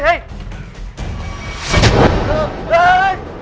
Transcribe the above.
เฮ้ย